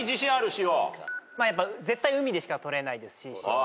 「しお」絶対海でしかとれないですし塩は。